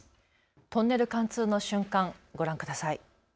トンネル貫通の瞬間、ご覧ください。